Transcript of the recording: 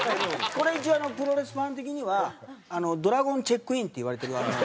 これ一応プロレスファン的にはドラゴン・チェックインっていわれてる。